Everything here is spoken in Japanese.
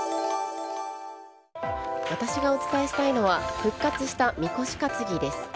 私がお伝えしたいのは復活したみこし担ぎです。